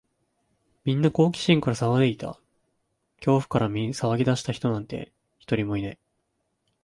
みんな好奇心から騒いでいた。恐怖から騒ぎ出した人なんて、一人もいない。